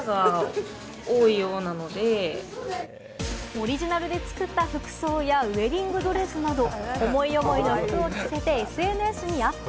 オリジナルで作った服装やウェディングドレスなど思い思いの服を着せてＳＮＳにアップ。